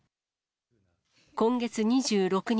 今月２６日、